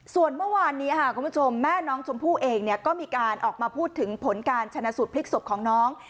ส่วนเมื่อวานนี้คุณผู้ชมแม่น้องชมพู่เองก็มีการออกมาพูดถึงผลการชนะสูตรพลิกศพของน้อง